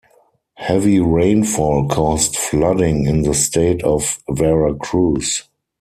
Heavy rainfall caused flooding in the state of Veracruz.